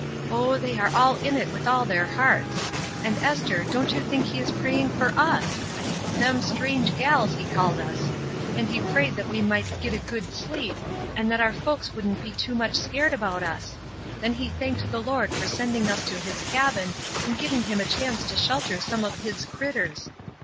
Oh, they are all in it with all their hearts. And, Esther, don't you think he is praying for us !' Them strange gals,' he called MELINDY'S BED 181 us. And he prayed that we might *git a good sleep/ and that our folks wouldn't be too much scared about us. Then he thanked the Lord for sending us to his cabin, and giving him a chance to shelter some of His critters.